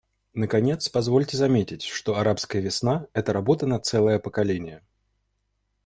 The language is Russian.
Наконец, позвольте заметить, что «арабская весна» — это работа на целое поколение.